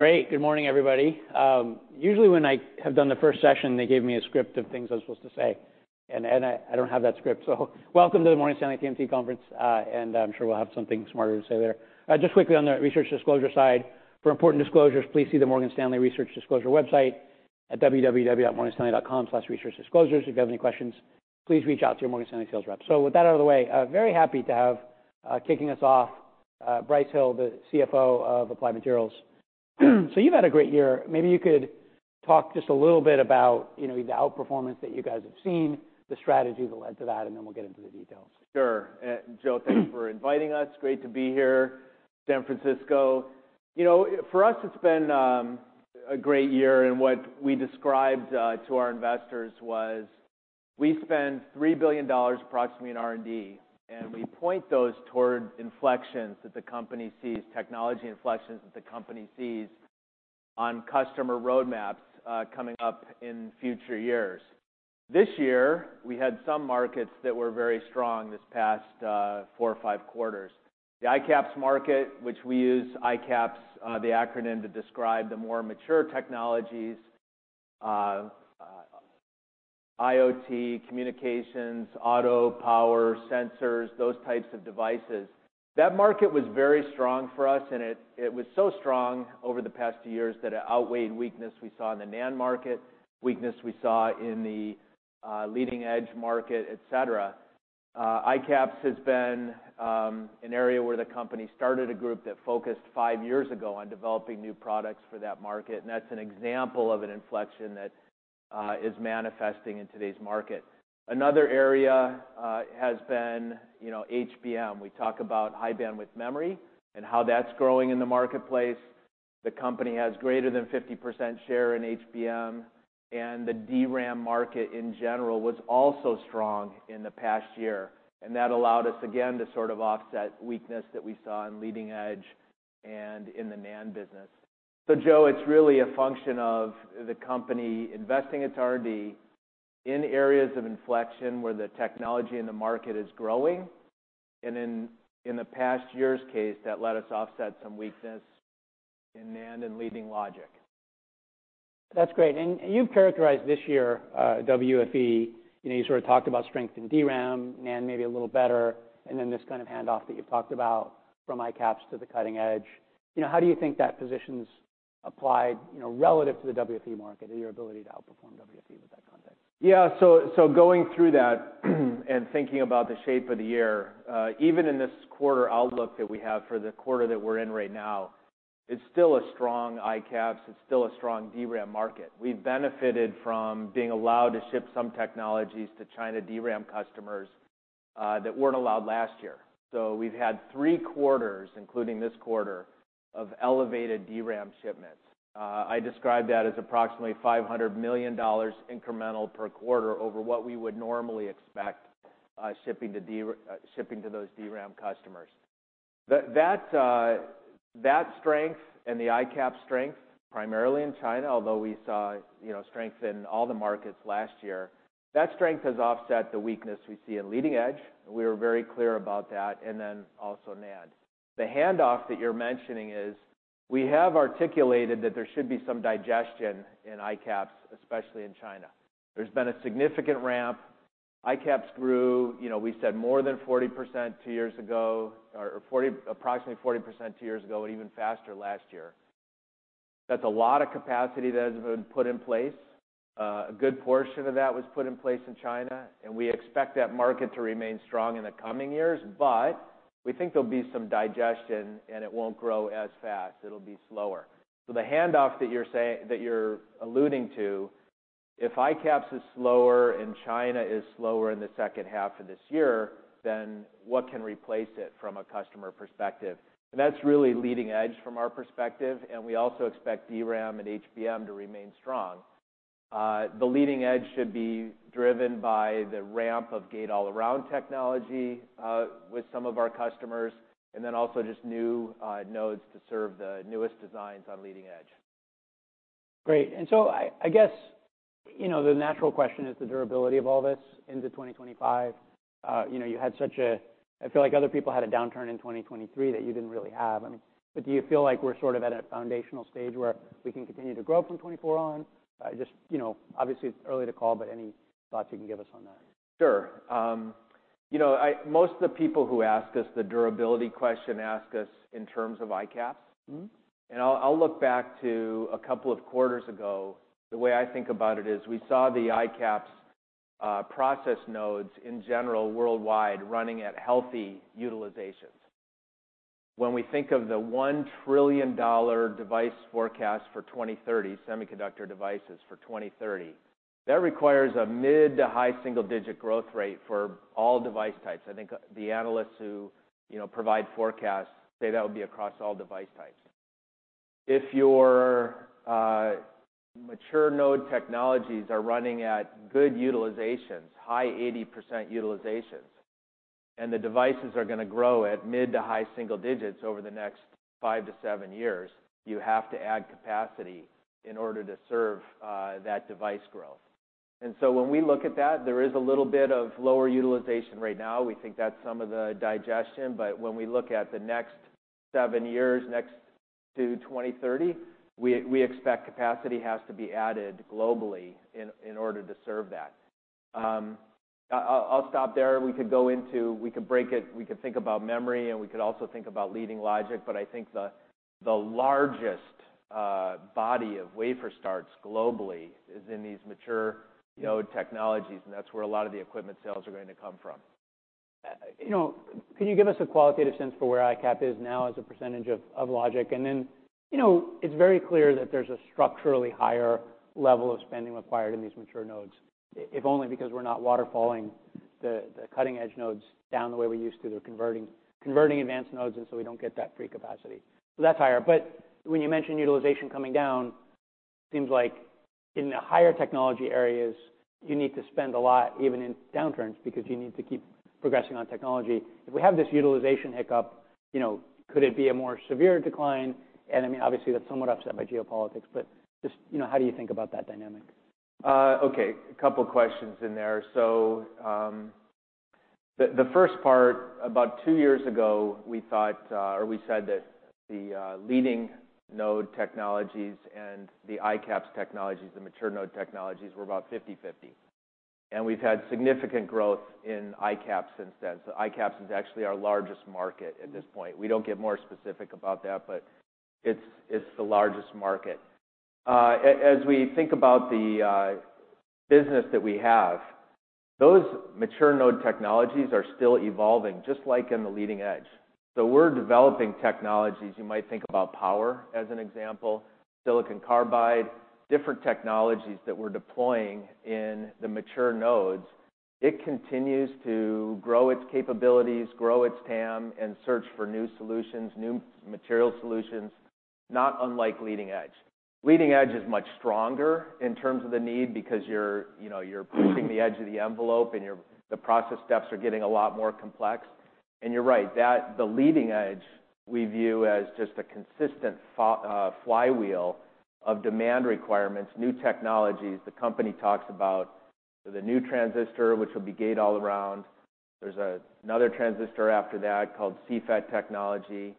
Great. Good morning, everybody. Usually when I have done the first session, they gave me a script of things I was supposed to say. And I don't have that script. So welcome to the Morgan Stanley TMT Conference, and I'm sure we'll have something smarter to say later. Just quickly on the research disclosure side, for important disclosures, please see the Morgan Stanley Research Disclosure website at www.morganstanley.com/researchdisclosures. If you have any questions, please reach out to your Morgan Stanley sales rep. So with that out of the way, very happy to have, kicking us off, Brice Hill, the CFO of Applied Materials. So you've had a great year. Maybe you could talk just a little bit about, you know, the outperformance that you guys have seen, the strategy that led to that, and then we'll get into the details. Sure. Joe, thanks for inviting us. Great to be here, San Francisco. You know, for us, it's been a great year. And what we described to our investors was we spend $3 billion approximately in R&D. And we point those toward inflections that the company sees, technology inflections that the company sees on customer roadmaps, coming up in future years. This year, we had some markets that were very strong this past 4 or 5 quarters. The ICAPS market, which we use ICAPS, the acronym, to describe the more mature technologies, IoT, communications, auto, power, sensors, those types of devices. That market was very strong for us. And it was so strong over the past 2 years that it outweighed weakness we saw in the NAND market, weakness we saw in the leading-edge market, etc. ICAPS has been an area where the company started a group that focused five years ago on developing new products for that market. That's an example of an inflection that is manifesting in today's market. Another area has been, you know, HBM. We talk about high bandwidth memory and how that's growing in the marketplace. The company has greater than 50% share in HBM. The DRAM market in general was also strong in the past year. That allowed us, again, to sort of offset weakness that we saw in leading edge and in the NAND business. So Joe, it's really a function of the company investing its R&D in areas of inflection where the technology and the market is growing. In the past year's case, that let us offset some weakness in NAND and leading logic. That's great. And you've characterized this year, WFE. You know, you sort of talked about strength in DRAM, NAND maybe a little better, and then this kind of handoff that you've talked about from ICAPS to the cutting edge. You know, how do you think that positions Applied, you know, relative to the WFE market and your ability to outperform WFE with that context? Yeah. So going through that and thinking about the shape of the year, even in this quarter outlook that we have for the quarter that we're in right now, it's still a strong ICAPS. It's still a strong DRAM market. We've benefited from being allowed to ship some technologies to China DRAM customers, that weren't allowed last year. So we've had three quarters, including this quarter, of elevated DRAM shipments. I describe that as approximately $500 million incremental per quarter over what we would normally expect, shipping to DRAM shipping to those DRAM customers. That strength and the ICAPS strength, primarily in China, although we saw, you know, strength in all the markets last year, that strength has offset the weakness we see in leading edge. We were very clear about that. And then also NAND. The handoff that you're mentioning is we have articulated that there should be some digestion in ICAPS, especially in China. There's been a significant ramp. ICAPS grew. You know, we said more than 40% two years ago, or approximately 40% two years ago and even faster last year. That's a lot of capacity that has been put in place. A good portion of that was put in place in China. And we expect that market to remain strong in the coming years. But we think there'll be some digestion. And it won't grow as fast. It'll be slower. So the handoff that you're saying that you're alluding to, if ICAPS is slower and China is slower in the second half of this year, then what can replace it from a customer perspective? And that's really leading edge from our perspective. We also expect DRAM and HBM to remain strong. The leading edge should be driven by the ramp of Gate-All-Around technology, with some of our customers, and then also just new nodes to serve the newest designs on leading edge. Great. And so I, I guess, you know, the natural question is the durability of all this into 2025. You know, you had such a, I feel like other people had a downturn in 2023 that you didn't really have. I mean, but do you feel like we're sort of at a foundational stage where we can continue to grow from 2024 on? Just, you know, obviously it's early to call. But any thoughts you can give us on that? Sure. You know, I most of the people who ask us the durability question ask us in terms of ICAPS. Mm-hmm. And I'll look back to a couple of quarters ago. The way I think about it is we saw the ICAPS process nodes in general worldwide running at healthy utilizations. When we think of the $1 trillion device forecast for 2030, semiconductor devices for 2030, that requires a mid to high single-digit growth rate for all device types. I think the analysts who, you know, provide forecasts say that would be across all device types. If your mature node technologies are running at good utilizations, high 80% utilizations, and the devices are gonna grow at mid to high single digits over the next five to seven years, you have to add capacity in order to serve that device growth. And so when we look at that, there is a little bit of lower utilization right now. We think that's some of the digestion. But when we look at the next seven years up to 2030, we expect capacity has to be added globally in order to serve that. I'll stop there. We could go into it. We could break it. We could think about memory. And we could also think about leading logic. But I think the largest body of wafer starts globally is in these mature node technologies. And that's where a lot of the equipment sales are going to come from. You know, can you give us a qualitative sense for where ICAPS is now as a percentage of logic? And then, you know, it's very clear that there's a structurally higher level of spending required in these mature nodes, if only because we're not waterfalling the cutting edge nodes down the way we used to. They're converting advanced nodes. And so we don't get that free capacity. So that's higher. But when you mention utilization coming down, it seems like in the higher technology areas, you need to spend a lot even in downturns because you need to keep progressing on technology. If we have this utilization hiccup, you know, could it be a more severe decline? And I mean, obviously, that's somewhat upset by geopolitics. But just, you know, how do you think about that dynamic? Okay. A couple questions in there. So, the first part, about two years ago, we thought, or we said that the leading node technologies and the ICAPS technologies, the mature node technologies, were about 50/50. And we've had significant growth in ICAPS since then. So ICAPS is actually our largest market at this point. We don't get more specific about that. But it's the largest market. As we think about the business that we have, those mature node technologies are still evolving just like in the leading edge. So we're developing technologies. You might think about power as an example, silicon carbide, different technologies that we're deploying in the mature nodes. It continues to grow its capabilities, grow its TAM, and search for new solutions, new material solutions, not unlike leading edge. Leading edge is much stronger in terms of the need because you're, you know, you're pushing the edge of the envelope. The process steps are getting a lot more complex. You're right. The leading edge, we view as just a consistent flywheel of demand requirements, new technologies. The company talks about the new transistor, which will be Gate-All-Around. There's another transistor after that called CFET technology.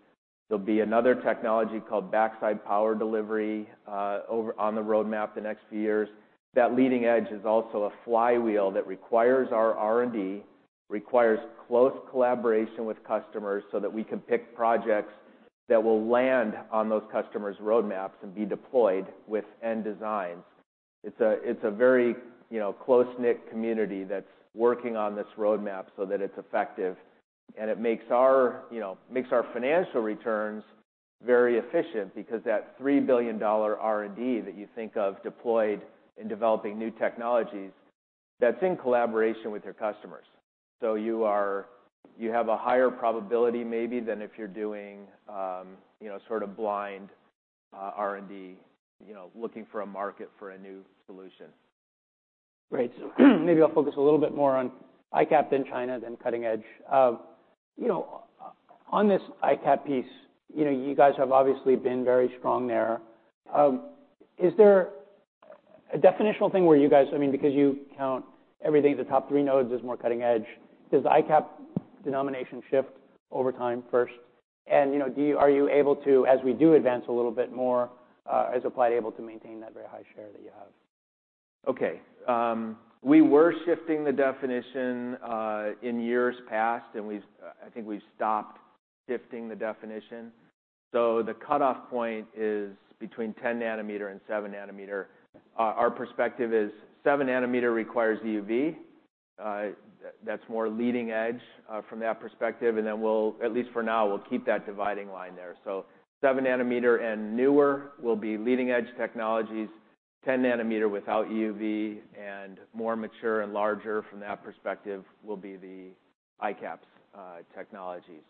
There'll be another technology called Backside Power Delivery, over on the roadmap the next few years. That leading edge is also a flywheel that requires our R&D, requires close collaboration with customers so that we can pick projects that will land on those customers' roadmaps and be deployed with end designs. It's a it's a very, you know, close-knit community that's working on this roadmap so that it's effective. It makes our, you know, makes our financial returns very efficient because that $3 billion R&D that you think of deployed in developing new technologies, that's in collaboration with your customers. You have a higher probability maybe than if you're doing, you know, sort of blind, R&D, you know, looking for a market for a new solution. Great. So maybe I'll focus a little bit more on ICAPS in China than cutting edge. You know, on this ICAPS piece, you know, you guys have obviously been very strong there. Is there a definitional thing where you guys, I mean, because you count everything, the top three nodes as more cutting edge, does the ICAPS denomination shift over time first? And, you know, are you able to, as we do advance a little bit more, as Applied able to maintain that very high share that you have? Okay. We were shifting the definition, in years past. And we've, I think, stopped shifting the definition. So the cutoff point is between 10 nanometer and 7 nanometer. Our perspective is 7 nanometer requires EUV. That's more leading edge, from that perspective. And then, at least for now, we'll keep that dividing line there. So 7 nanometer and newer will be leading edge technologies. 10 nanometer without EUV and more mature and larger from that perspective will be the ICAPS technologies.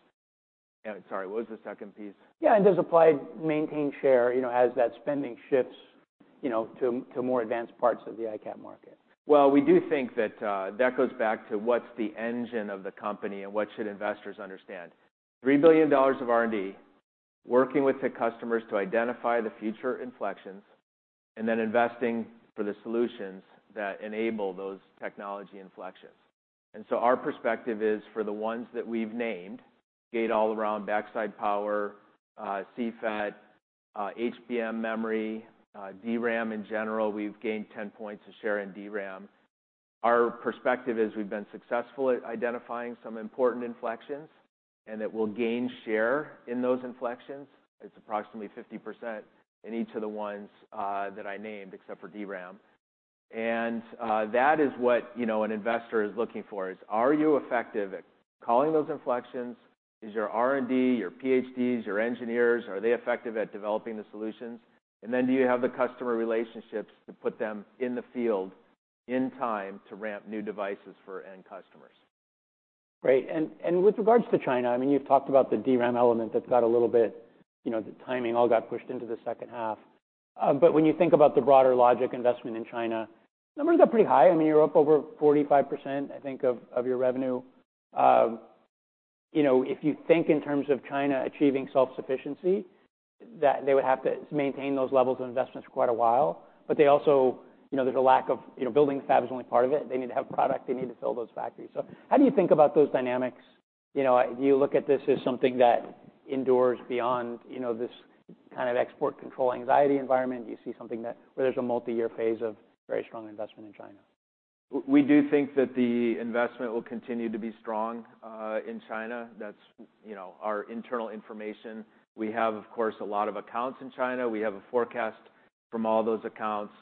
And, sorry. What was the second piece? Yeah. And does Applied maintain share, you know, as that spending shifts, you know, to more advanced parts of the ICAPS market? Well, we do think that that goes back to what's the engine of the company and what should investors understand. $3 billion of R&D working with the customers to identify the future inflections and then investing for the solutions that enable those technology inflections. And so our perspective is for the ones that we've named, Gate-All-Around, backside power, CFET, HBM memory, DRAM in general, we've gained 10 points of share in DRAM. Our perspective is we've been successful at identifying some important inflections and that we'll gain share in those inflections. It's approximately 50% in each of the ones that I named except for DRAM. And that is what, you know, an investor is looking for is, are you effective at calling those inflections? Is your R&D, your Ph.D.s, your engineers, are they effective at developing the solutions? And then do you have the customer relationships to put them in the field in time to ramp new devices for end customers? Great. And with regards to China, I mean, you've talked about the DRAM element that's got a little bit, you know, the timing all got pushed into the second half. But when you think about the broader logic investment in China, numbers got pretty high. I mean, you're up over 45%, I think, of your revenue. You know, if you think in terms of China achieving self-sufficiency, that they would have to maintain those levels of investments for quite a while. But they also, you know, there's a lack of, you know, building fab is only part of it. They need to have product. They need to fill those factories. So how do you think about those dynamics? You know, do you look at this as something that endures beyond, you know, this kind of export control anxiety environment? Do you see something that where there's a multi-year phase of very strong investment in China? We do think that the investment will continue to be strong, in China. That's, you know, our internal information. We have, of course, a lot of accounts in China. We have a forecast from all those accounts.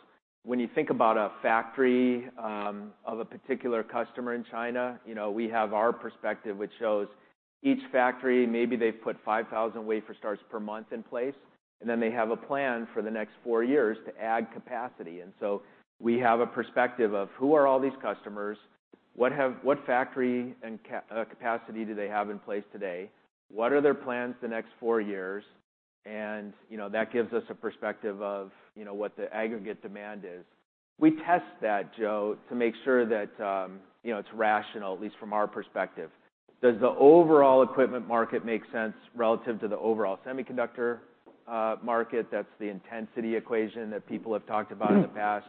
When you think about a factory, of a particular customer in China, you know, we have our perspective, which shows each factory, maybe they've put 5,000 wafer starts per month in place. And then they have a plan for the next four years to add capacity. And so we have a perspective of, who are all these customers? What factory and capacity do they have in place today? What are their plans the next four years? And, you know, that gives us a perspective of, you know, what the aggregate demand is. We test that, Joe, to make sure that, you know, it's rational at least from our perspective. Does the overall equipment market make sense relative to the overall semiconductor market? That's the intensity equation that people have talked about in the past.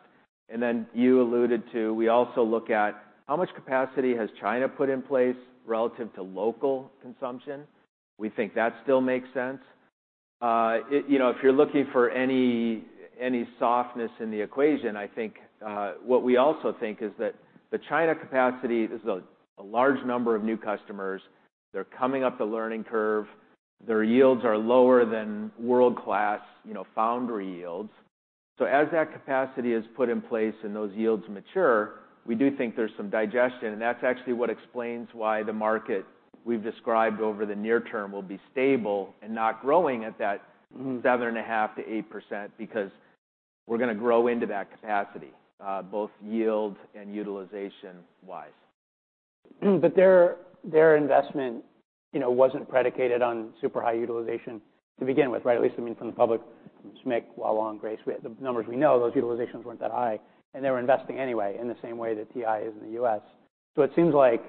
And then you alluded to we also look at how much capacity has China put in place relative to local consumption? We think that still makes sense. I, you know, if you're looking for any, any softness in the equation, I think what we also think is that the China capacity is a, a large number of new customers. They're coming up the learning curve. Their yields are lower than world-class, you know, foundry yields. So as that capacity is put in place and those yields mature, we do think there's some digestion. And that's actually what explains why the market we've described over the near term will be stable and not growing at that. Mm-hmm. 7.5%-8% because we're gonna grow into that capacity, both yield and utilization-wise. But their investment, you know, wasn't predicated on super high utilization to begin with, right? At least, I mean, from the public, from SMIC, Hua Hong, Grace, the numbers we know, those utilizations weren't that high. And they were investing anyway in the same way that TI is in the U.S. So it seems like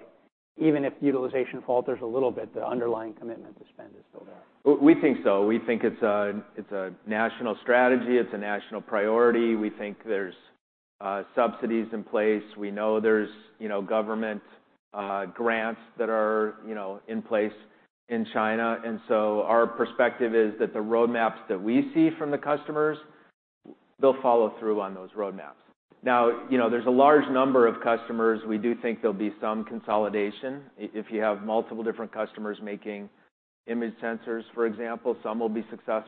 even if utilization falters a little bit, the underlying commitment to spend is still there. We think so. We think it's a national strategy. It's a national priority. We think there's subsidies in place. We know there's you know government grants that are you know in place in China. And so our perspective is that the roadmaps that we see from the customers, they'll follow through on those roadmaps. Now, you know, there's a large number of customers. We do think there'll be some consolidation. If you have multiple different customers making image sensors, for example, some will be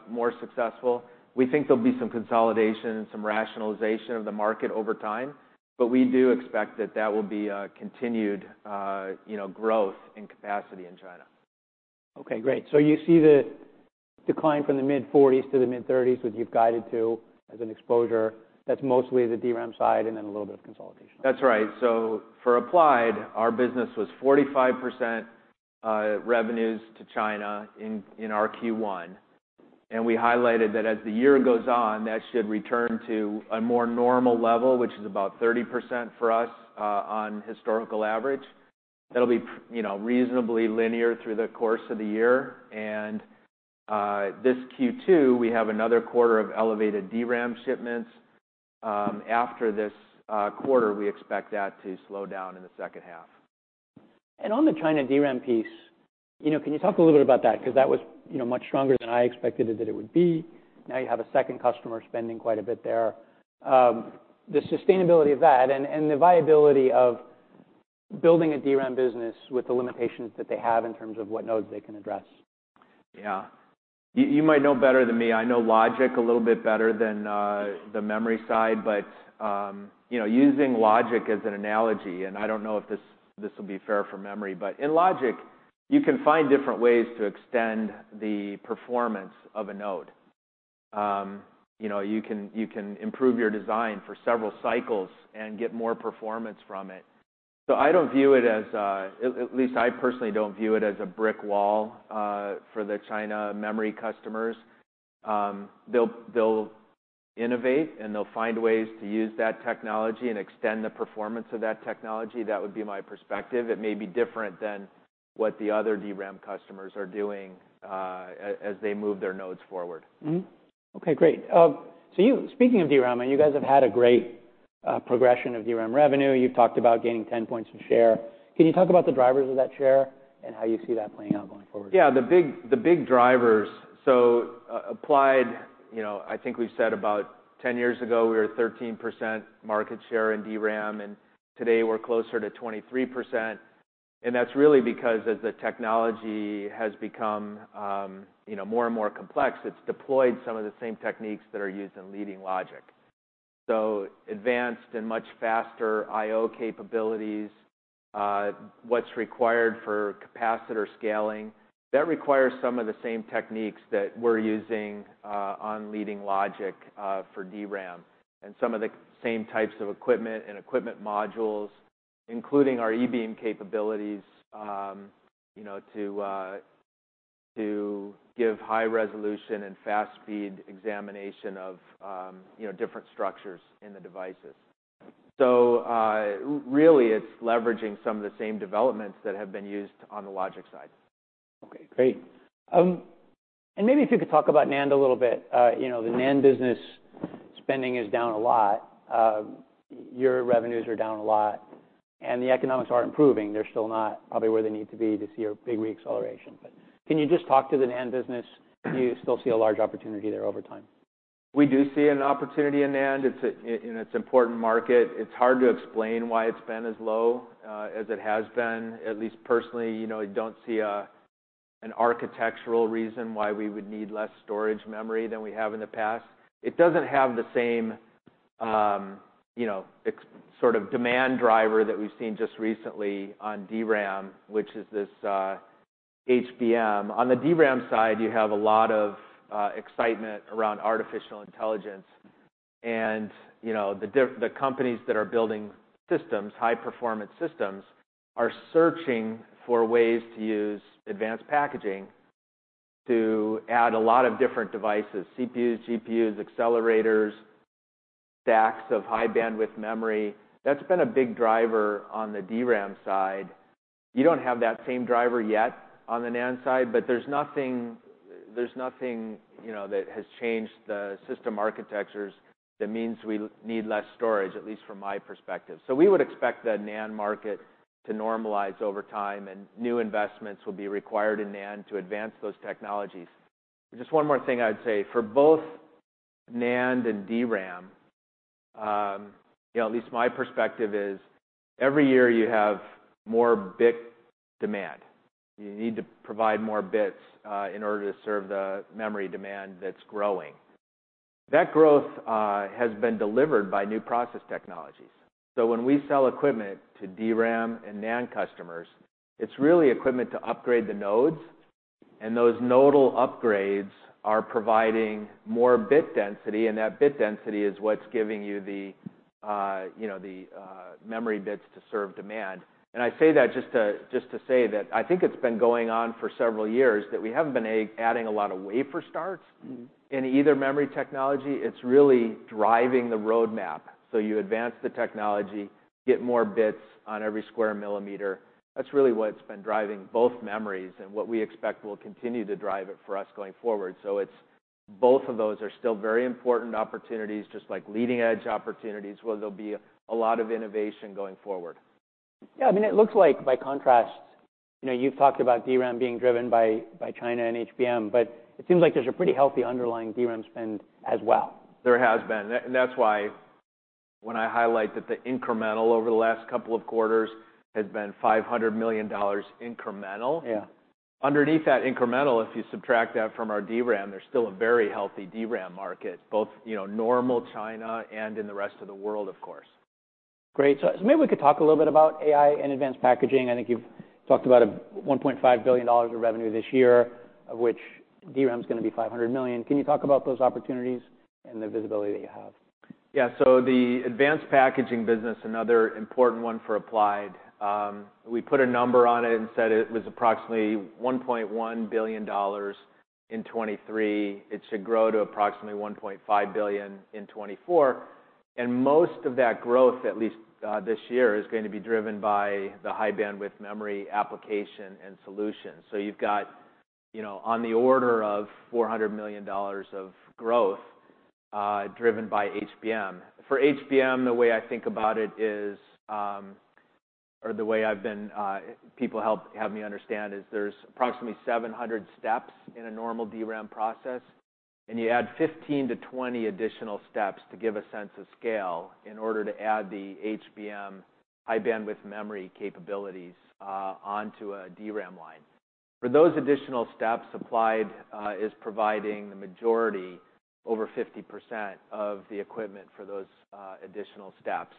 more successful. We think there'll be some consolidation and some rationalization of the market over time. But we do expect that that will be a continued you know growth in capacity in China. Okay. Great. So you see the decline from the mid-40s to the mid-30s that you've guided to as an exposure. That's mostly the DRAM side and then a little bit of consolidation. That's right. So for Applied, our business was 45% revenues to China in our Q1. And we highlighted that as the year goes on, that should return to a more normal level, which is about 30% for us, on historical average. That'll be pretty, you know, reasonably linear through the course of the year. And this Q2, we have another quarter of elevated DRAM shipments. After this quarter, we expect that to slow down in the second half. On the China DRAM piece, you know, can you talk a little bit about that? 'Cause that was, you know, much stronger than I expected it that it would be. Now you have a second customer spending quite a bit there. The sustainability of that and, and the viability of building a DRAM business with the limitations that they have in terms of what nodes they can address. Yeah. You might know better than me. I know logic a little bit better than the memory side. But, you know, using logic as an analogy and I don't know if this will be fair for memory. But in logic, you can find different ways to extend the performance of a node. You know, you can improve your design for several cycles and get more performance from it. So I don't view it as at least I personally don't view it as a brick wall for the China memory customers. They'll innovate. And they'll find ways to use that technology and extend the performance of that technology. That would be my perspective. It may be different than what the other DRAM customers are doing, as they move their nodes forward. Mm-hmm. Okay. Great. So, you speaking of DRAM, and you guys have had a great progression of DRAM revenue. You've talked about gaining 10 points of share. Can you talk about the drivers of that share and how you see that playing out going forward? Yeah. The big drivers so Applied, you know, I think we've said about 10 years ago, we were 13% market share in DRAM. And today, we're closer to 23%. And that's really because as the technology has become, you know, more and more complex, it's deployed some of the same techniques that are used in leading logic. So advanced and much faster I/O capabilities, what's required for capacitor scaling, that requires some of the same techniques that we're using on leading logic for DRAM. And some of the same types of equipment and equipment modules, including our E-beam capabilities, you know, to give high-resolution and fast-speed examination of, you know, different structures in the devices. So, really, it's leveraging some of the same developments that have been used on the logic side. Okay. Great. And maybe if you could talk about NAND a little bit. You know, the NAND business spending is down a lot. Your revenues are down a lot. And the economics are improving. They're still not probably where they need to be to see a big re-acceleration. But can you just talk to the NAND business? Do you still see a large opportunity there over time? We do see an opportunity in NAND. It's an important market. It's hard to explain why it's been as low as it has been, at least personally. You know, I don't see an architectural reason why we would need less storage memory than we have in the past. It doesn't have the same, you know, explosive sort of demand driver that we've seen just recently on DRAM, which is this HBM. On the DRAM side, you have a lot of excitement around artificial intelligence. And, you know, the companies that are building systems, high-performance systems, are searching for ways to use advanced packaging to add a lot of different devices, CPUs, GPUs, accelerators, stacks of high-bandwidth memory. That's been a big driver on the DRAM side. You don't have that same driver yet on the NAND side. But there's nothing, you know, that has changed the system architectures that means we need less storage, at least from my perspective. So we would expect the NAND market to normalize over time. And new investments will be required in NAND to advance those technologies. Just one more thing I would say. For both NAND and DRAM, you know, at least my perspective is, every year, you have more bit demand. You need to provide more bits, in order to serve the memory demand that's growing. That growth has been delivered by new process technologies. So when we sell equipment to DRAM and NAND customers, it's really equipment to upgrade the nodes. And those nodal upgrades are providing more bit density. And that bit density is what's giving you the, you know, the memory bits to serve demand. I say that just to say that I think it's been going on for several years that we haven't been adding a lot of wafer starts. Mm-hmm. In either memory technology. It's really driving the roadmap. So you advance the technology, get more bits on every square millimeter. That's really what's been driving both memories. And what we expect will continue to drive it for us going forward. So it's both of those are still very important opportunities just like leading-edge opportunities where there'll be a lot of innovation going forward. Yeah. I mean, it looks like, by contrast, you know, you've talked about DRAM being driven by, by China and HBM. But it seems like there's a pretty healthy underlying DRAM spend as well. There has been. And that's why when I highlight that the incremental over the last couple of quarters has been $500 million incremental. Yeah. Underneath that incremental, if you subtract that from our DRAM, there's still a very healthy DRAM market, both, you know, normal China and in the rest of the world, of course. Great. So, maybe we could talk a little bit about AI and advanced packaging. I think you've talked about a $1.5 billion of revenue this year, of which DRAM's gonna be $500 million. Can you talk about those opportunities and the visibility that you have? Yeah. So the advanced packaging business, another important one for Applied, we put a number on it and said it was approximately $1.1 billion in 2023. It should grow to approximately $1.5 billion in 2024. And most of that growth, at least, this year, is gonna be driven by the high-bandwidth memory application and solution. So you've got, you know, on the order of $400 million of growth, driven by HBM. For HBM, the way I think about it is, or the way I've been, people help have me understand is there's approximately 700 steps in a normal DRAM process. And you add 15-20 additional steps to give a sense of scale in order to add the HBM high-bandwidth memory capabilities, onto a DRAM line. For those additional steps, Applied, is providing the majority, over 50%, of the equipment for those, additional steps.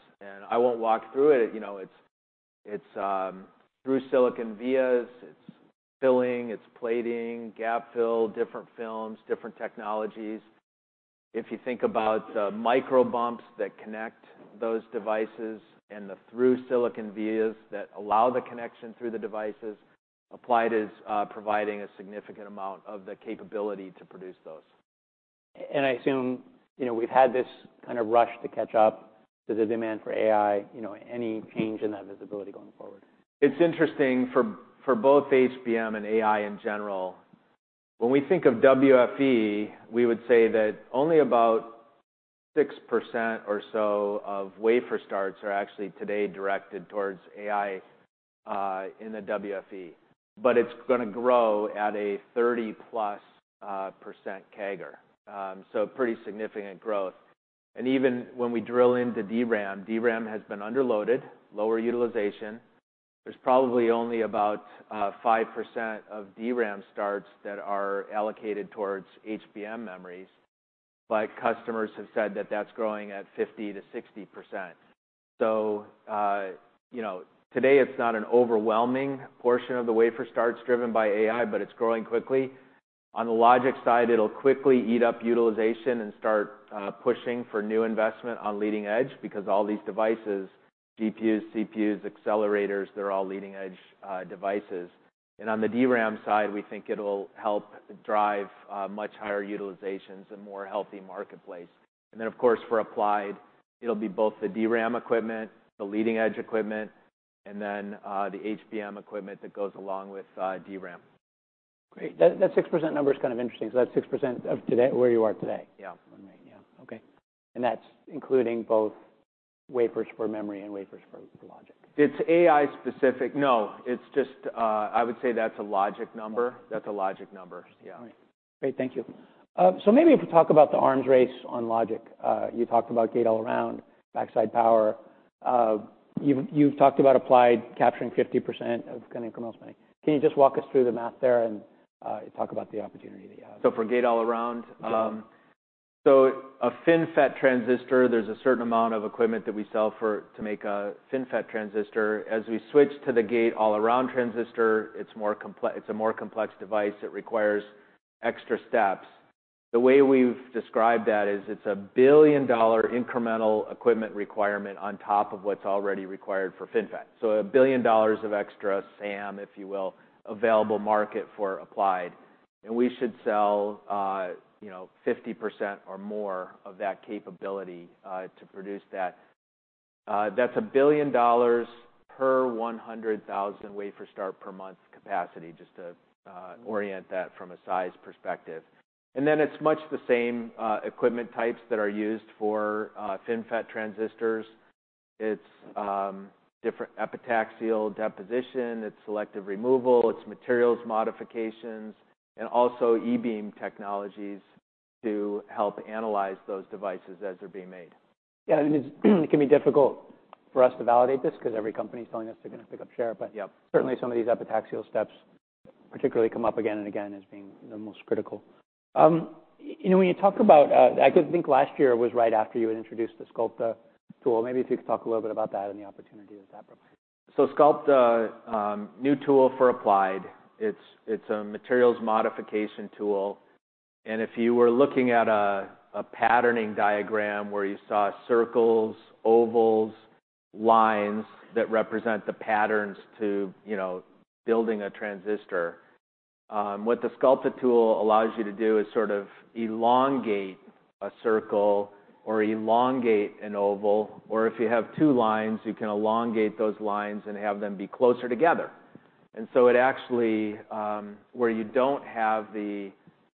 I won't walk through it. You know, it's through-silicon vias. It's filling. It's plating. Gap fill. Different films. Different technologies. If you think about the micro-bumps that connect those devices and the through-silicon vias that allow the connection through the devices, Applied is providing a significant amount of the capability to produce those. And I assume, you know, we've had this kind of rush to catch up to the demand for AI. You know, any change in that visibility going forward? It's interesting for both HBM and AI in general. When we think of WFE, we would say that only about 6% or so of wafer starts are actually today directed towards AI, in the WFE. But it's gonna grow at a 30+% CAGR. So pretty significant growth. And even when we drill into DRAM, DRAM has been underloaded, lower utilization. There's probably only about 5% of DRAM starts that are allocated towards HBM memories. But customers have said that that's growing at 50%-60%. So, you know, today, it's not an overwhelming portion of the wafer starts driven by AI. But it's growing quickly. On the logic side, it'll quickly eat up utilization and start pushing for new investment on leading edge because all these devices, GPUs, CPUs, accelerators, they're all leading edge devices. On the DRAM side, we think it'll help drive much higher utilizations and more healthy marketplace. Then, of course, for Applied, it'll be both the DRAM equipment, the leading edge equipment, and then, the HBM equipment that goes along with DRAM. Great. That 6% number's kind of interesting. So that's 6% of today where you are today. Yeah. One rate. Yeah. Okay. And that's including both wafers for memory and wafers for, for logic? It's AI-specific. No. It's just, I would say that's a logic number. That's a logic number. Yeah. Right. Great. Thank you. So maybe if we talk about the arms race on logic, you talked about Gate-All-Around, Backside Power. You've, you've talked about Applied capturing 50% of kinda incremental spending. Can you just walk us through the math there and talk about the opportunity that you have? For Gate-All-Around, Sure. So a FinFET transistor, there's a certain amount of equipment that we sell for to make a FinFET transistor. As we switch to the Gate-All-Around transistor, it's more complex. It's a more complex device. It requires extra steps. The way we've described that is it's a billion-dollar incremental equipment requirement on top of what's already required for FinFET. So $1 billion of extra SAM, if you will, available market for Applied. And we should sell, you know, 50% or more of that capability, to produce that. That's $1 billion per 100,000 wafer start per month capacity just to orient that from a size perspective. And then it's much the same equipment types that are used for FinFET transistors. It's different epitaxial deposition. It's selective removal. It's materials modifications. And also E-beam technologies to help analyze those devices as they're being made. Yeah. I mean, it can be difficult for us to validate this 'cause every company's telling us they're gonna pick up share. But. Yep. Certainly, some of these epitaxial steps particularly come up again and again as being, you know, most critical. You know, when you talk about, I could think last year was right after you had introduced the Sculpta tool. Maybe if you could talk a little bit about that and the opportunity that that provides. So Sculpta, new tool for Applied. It's a materials modification tool. And if you were looking at a patterning diagram where you saw circles, ovals, lines that represent the patterns to, you know, building a transistor, what the Sculpta tool allows you to do is sort of elongate a circle or elongate an oval. Or if you have two lines, you can elongate those lines and have them be closer together. And so it actually, where you don't have the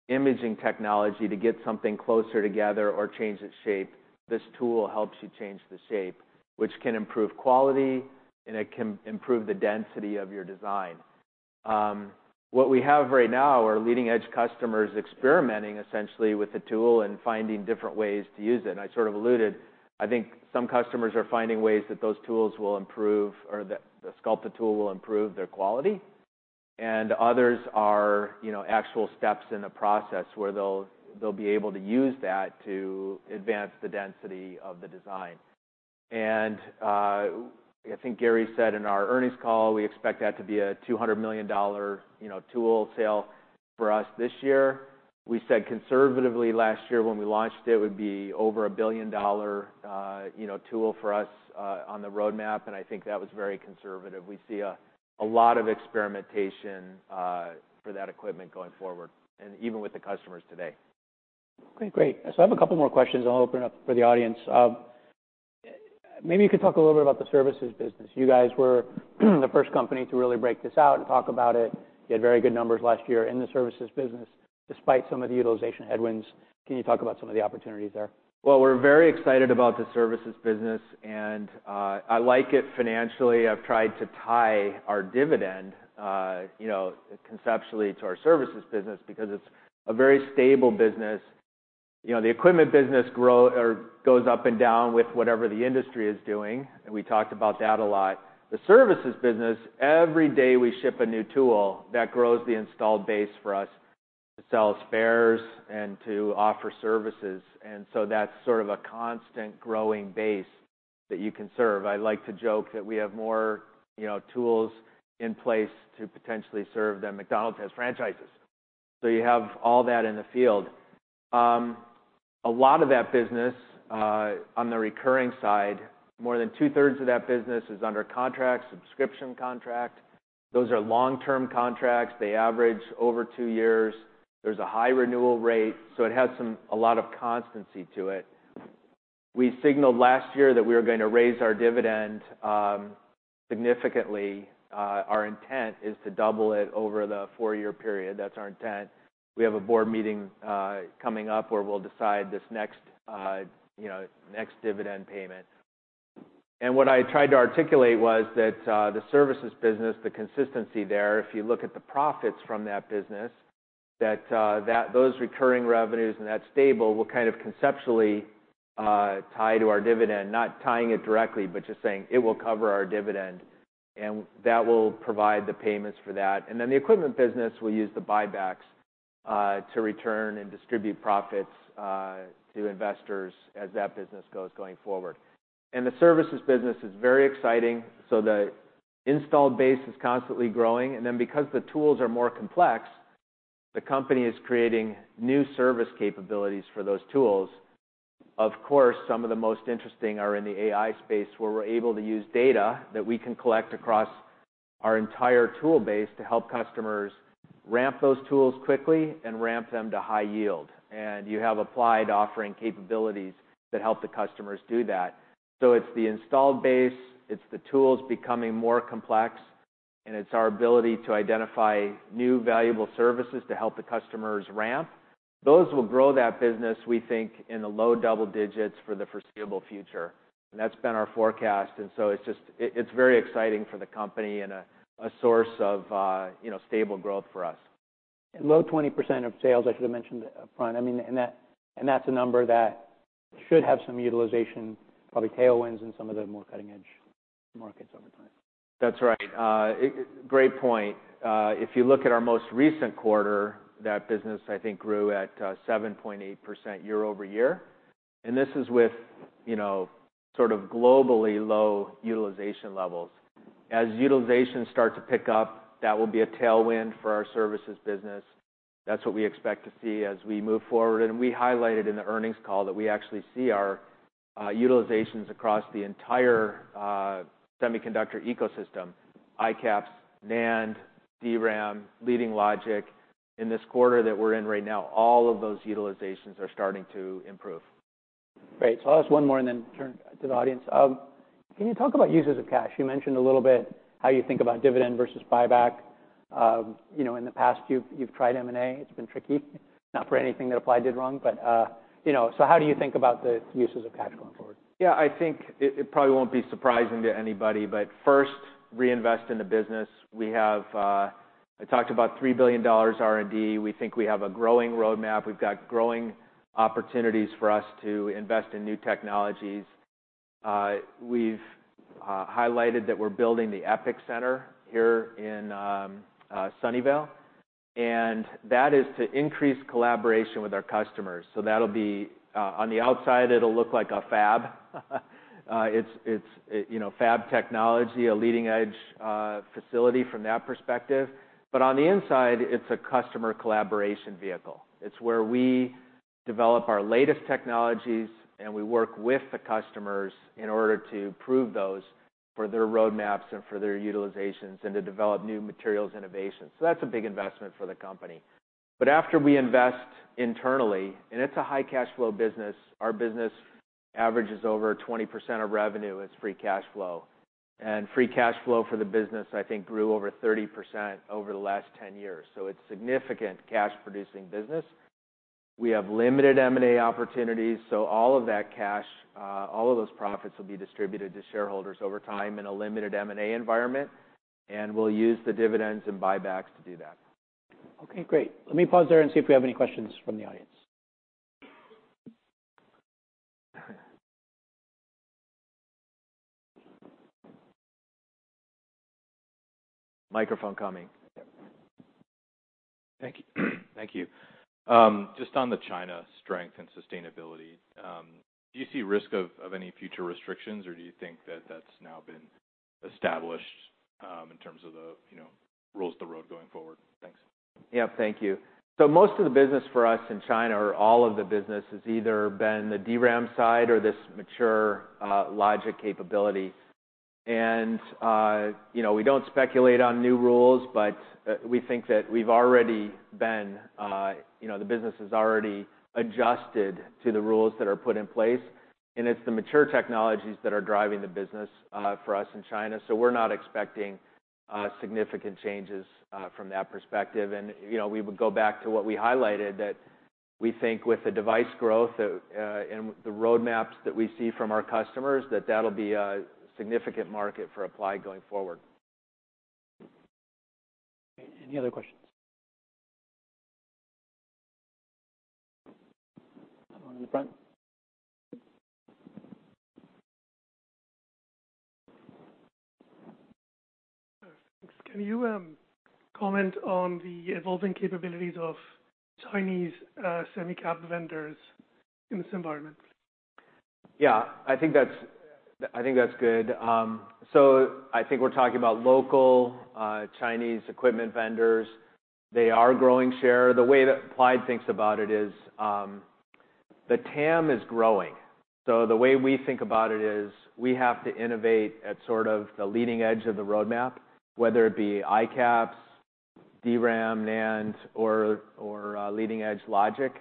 imaging technology to get something closer together or change its shape, this tool helps you change the shape, which can improve quality. And it can improve the density of your design. What we have right now, our leading edge customers experimenting essentially with the tool and finding different ways to use it. And I sort of alluded. I think some customers are finding ways that those tools will improve or that the Sculpta tool will improve their quality. And others are, you know, actual steps in the process where they'll be able to use that to advance the density of the design. And, I think Gary said in our earnings call, we expect that to be a $200 million, you know, tool sale for us this year. We said conservatively last year when we launched it, it would be over $1 billion, you know, tool for us, on the roadmap. And I think that was very conservative. We see a lot of experimentation, for that equipment going forward and even with the customers today. Great. Great. So I have a couple more questions. I'll open it up for the audience. Maybe you could talk a little bit about the services business. You guys were the first company to really break this out and talk about it. You had very good numbers last year in the services business despite some of the utilization headwinds. Can you talk about some of the opportunities there? Well, we're very excited about the services business. I like it financially. I've tried to tie our dividend, you know, conceptually to our services business because it's a very stable business. You know, the equipment business grow or goes up and down with whatever the industry is doing. We talked about that a lot. The services business, every day we ship a new tool, that grows the installed base for us to sell spares and to offer services. That's sort of a constant growing base that you can serve. I like to joke that we have more, you know, tools in place to potentially serve than McDonald's has franchises. You have all that in the field. A lot of that business, on the recurring side, more than two-thirds of that business is under contract, subscription contract. Those are long-term contracts. They average over two years. There's a high renewal rate. So it has some, a lot of constancy to it. We signaled last year that we were gonna raise our dividend, significantly. Our intent is to double it over the four-year period. That's our intent. We have a board meeting, coming up where we'll decide this next, you know, next dividend payment. And what I tried to articulate was that, the services business, the consistency there, if you look at the profits from that business, that those recurring revenues and that stable will kind of conceptually, tie to our dividend, not tying it directly but just saying, "It will cover our dividend. And that will provide the payments for that." And then the equipment business will use the buybacks, to return and distribute profits, to investors as that business goes going forward. And the services business is very exciting. The installed base is constantly growing. And then because the tools are more complex, the company is creating new service capabilities for those tools. Of course, some of the most interesting are in the AI space where we're able to use data that we can collect across our entire tool base to help customers ramp those tools quickly and ramp them to high yield. And you have Applied offering capabilities that help the customers do that. So it's the installed base. It's the tools becoming more complex. And it's our ability to identify new valuable services to help the customers ramp. Those will grow that business, we think, in the low double digits for the foreseeable future. And that's been our forecast. And so it's just it's very exciting for the company and a source of, you know, stable growth for us. Low 20% of sales, I should have mentioned upfront. I mean, and that and that's a number that should have some utilization, probably tailwinds in some of the more cutting edge markets over time. That's right. It's a great point. If you look at our most recent quarter, that business, I think, grew at 7.8% year-over-year. And this is with, you know, sort of globally low utilization levels. As utilization starts to pick up, that will be a tailwind for our services business. That's what we expect to see as we move forward. And we highlighted in the earnings call that we actually see our utilizations across the entire semiconductor ecosystem: ICAPS, NAND, DRAM, leading logic. In this quarter that we're in right now, all of those utilizations are starting to improve. Great. So I'll ask one more and then turn to the audience. Can you talk about uses of cash? You mentioned a little bit how you think about dividend versus buyback. You know, in the past, you've tried M&A. It's been tricky, not for anything that Applied did wrong. But, you know, so how do you think about the uses of cash going forward? Yeah. I think it probably won't be surprising to anybody. But first, reinvest in the business. We have, I talked about $3 billion R&D. We think we have a growing roadmap. We've got growing opportunities for us to invest in new technologies. We've highlighted that we're building the EPIC Center here in Sunnyvale. And that is to increase collaboration with our customers. So that'll be, on the outside, it'll look like a fab. It's, it's, you know, fab technology, a leading edge, facility from that perspective. But on the inside, it's a customer collaboration vehicle. It's where we develop our latest technologies. And we work with the customers in order to prove those for their roadmaps and for their utilizations and to develop new materials innovations. So that's a big investment for the company. After we invest internally, and it's a high cash flow business, our business averages over 20% of revenue as free cash flow. Free cash flow for the business, I think, grew over 30% over the last 10 years. It's significant cash producing business. We have limited M&A opportunities. All of that cash, all of those profits will be distributed to shareholders over time in a limited M&A environment. We'll use the dividends and buybacks to do that. Okay. Great. Let me pause there and see if we have any questions from the audience. Microphone coming. Thank you. Thank you. Just on the China strength and sustainability, do you see risk of any future restrictions? Or do you think that that's now been established, in terms of the, you know, rules of the road going forward? Thanks. Yep. Thank you. So most of the business for us in China or all of the business has either been the DRAM side or this mature logic capability. And, you know, we don't speculate on new rules. But we think that we've already been, you know, the business has already adjusted to the rules that are put in place. And it's the mature technologies that are driving the business for us in China. So we're not expecting significant changes from that perspective. And, you know, we would go back to what we highlighted that we think with the device growth that and the roadmaps that we see from our customers, that that'll be a significant market for Applied going forward. Any other questions? Have one in the front. Thanks. Can you comment on the evolving capabilities of Chinese semicap vendors in this environment? Yeah. I think that's good. So I think we're talking about local, Chinese equipment vendors. They are growing share. The way that Applied thinks about it is, the TAM is growing. So the way we think about it is we have to innovate at sort of the leading edge of the roadmap, whether it be ICAPS, DRAM, NAND, or leading edge logic.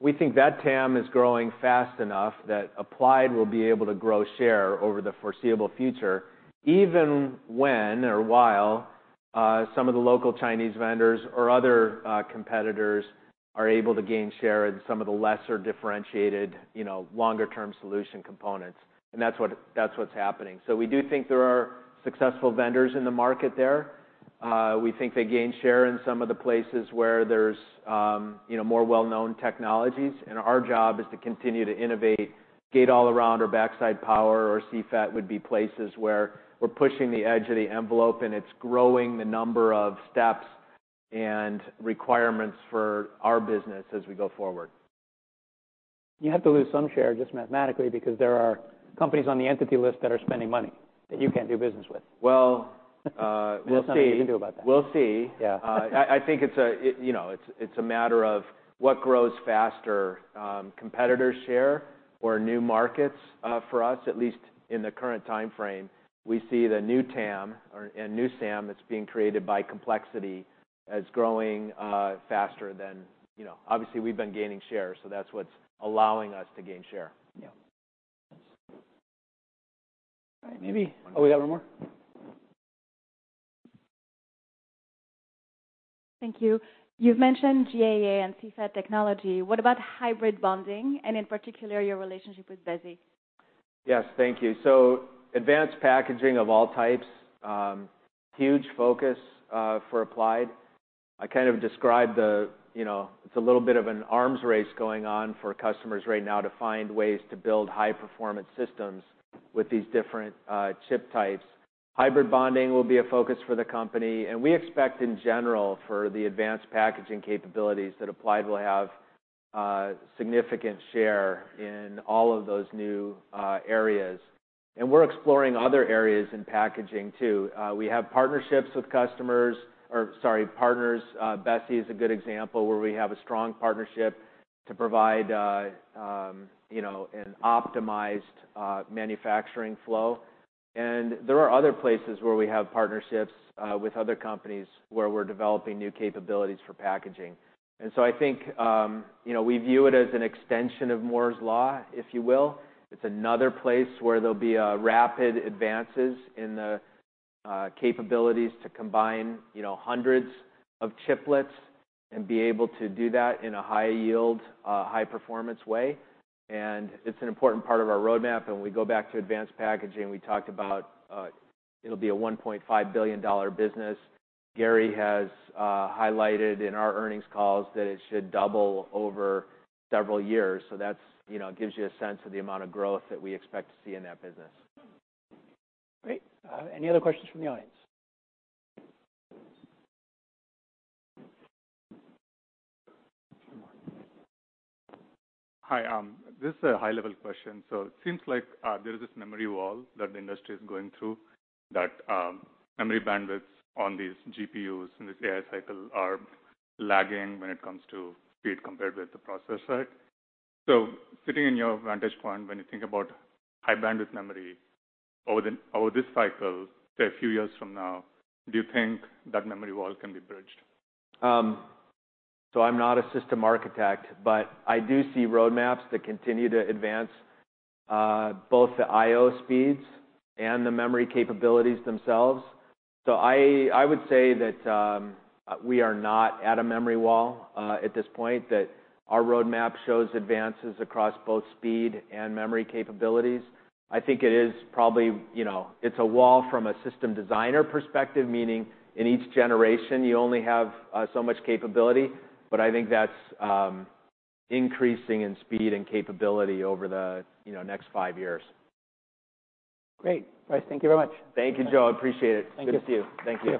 We think that TAM is growing fast enough that Applied will be able to grow share over the foreseeable future even when or while some of the local Chinese vendors or other competitors are able to gain share in some of the lesser differentiated, you know, longer-term solution components. And that's what's happening. So we do think there are successful vendors in the market there. We think they gain share in some of the places where there's, you know, more well-known technologies. Our job is to continue to innovate, Gate-All-Around, or backside power, or CFET would be places where we're pushing the edge of the envelope. It's growing the number of steps and requirements for our business as we go forward. You have to lose some share just mathematically because there are companies on the entity list that are spending money that you can't do business with. Well, we'll see. We'll see what you can do about that. We'll see. Yeah. I think it's AI, you know, it's a matter of what grows faster, competitors' share or new markets, for us, at least in the current time frame. We see the new TAM and new SAM that's being created by complexity as growing faster than, you know, obviously, we've been gaining share. So that's what's allowing us to gain share. Yeah. All right. Maybe, oh, we got one more? Thank you. You've mentioned GAA and CFET technology. What about hybrid bonding and, in particular, your relationship with Besi? Yes. Thank you. So advanced packaging of all types, huge focus, for Applied. I kind of described the, you know it's a little bit of an arms race going on for customers right now to find ways to build high-performance systems with these different, chip types. Hybrid bonding will be a focus for the company. And we expect, in general, for the advanced packaging capabilities that Applied will have, significant share in all of those new, areas. And we're exploring other areas in packaging too. We have partnerships with customers or sorry, partners. Besi is a good example where we have a strong partnership to provide, you know, an optimized, manufacturing flow. And there are other places where we have partnerships, with other companies where we're developing new capabilities for packaging. And so I think, you know, we view it as an extension of Moore's Law, if you will. It's another place where there'll be rapid advances in the capabilities to combine, you know, hundreds of chiplets and be able to do that in a high yield, high performance way. And it's an important part of our roadmap. And we go back to advanced packaging. We talked about it'll be a $1.5 billion business. Gary has highlighted in our earnings calls that it should double over several years. So that's, you know, gives you a sense of the amount of growth that we expect to see in that business. Great. Any other questions from the audience? Hi. This is a high-level question. So it seems like, there is this memory wall that the industry is going through that, memory bandwidths on these GPUs in this AI cycle are lagging when it comes to speed compared with the processor. So sitting in your vantage point, when you think about high bandwidth memory over the over this cycle to a few years from now, do you think that memory wall can be bridged? So I'm not a system architect. But I do see roadmaps that continue to advance, both the I/O speeds and the memory capabilities themselves. So I would say that we are not at a memory wall, at this point, that our roadmap shows advances across both speed and memory capabilities. I think it is probably, you know it's a wall from a system designer perspective, meaning in each generation, you only have so much capability. But I think that's increasing in speed and capability over the, you know, next five years. Great. Brice, thank you very much. Thank you, Joe. I appreciate it. Thank you. Good to see you. Thank you.